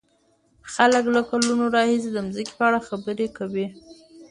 خلک له کلونو راهيسې د ځمکې په اړه خبرې کوي.